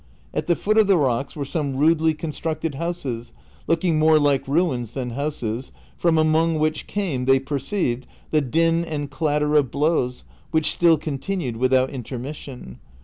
At the foot of the rocks were some rudely constructed houses looking more like ruins than houses, from among which came, they perceived, the din and clatter of blows, which still continued without intermission.